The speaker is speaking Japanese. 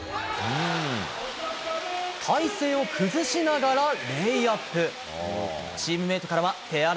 体勢を崩しながらレイアップ。